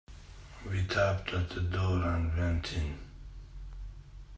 We tapped at the door and went in.